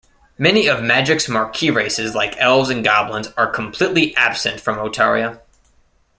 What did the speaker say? Many of Magic's marquee races like Elves and Goblins are completely absent from Otaria.